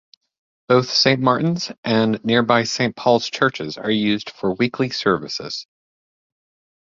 Both Saint Martin's and nearby Saint Paul's churches are used for weekly services.